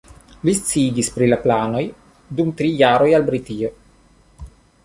Li sciigis pri la planoj dum tri jaroj al Britio.